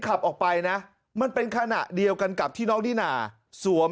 ขับออกไปนะมันเป็นขณะเดียวกันกับที่น้องนิน่าสวม